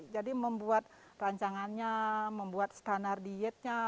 jadi membuat rancangannya membuat standar dietnya